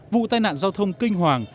vụ tai nạn giao thông kinh hoàng